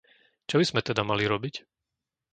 Čo by sme teda mali robiť?